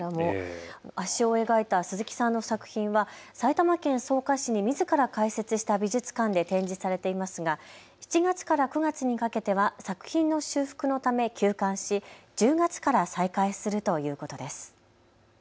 足尾を描いた鈴木さんの作品は埼玉県草加市にみずから開設した美術館で展示されていますが７月から９月にかけては作品の修復のため休館し１０月から再開するということです。